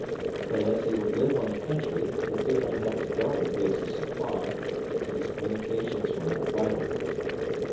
But as he would live on the country, he did not have to guard a base of supply, and his communications were not vital.